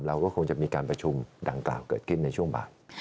เราก็คงจะมีการประชุมดังกล่าวเกิดขึ้นในช่วงบ่าย